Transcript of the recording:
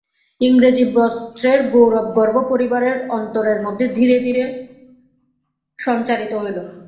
ইংরাজি বস্ত্রের গৌরবগর্ব পরিবারের অন্তরের মধ্যে ধীরে ধীরে সঞ্চারিত হইল।